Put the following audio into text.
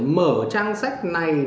mở trang sách này